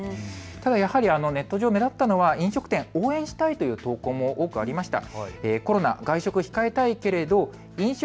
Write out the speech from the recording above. ただやはりネット上で目立ったのは飲食店、応援したいという投稿もありました。